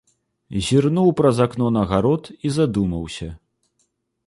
Зірнуў праз акно на гарод і задумаўся.